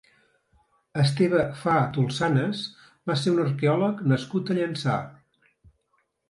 Esteve Fa Tolsanes va ser un arqueòleg nascut a Llançà.